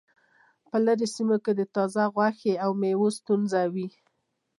په لرې سیمو کې د تازه غوښې او میوو ستونزه وي